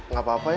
gak apa apa ya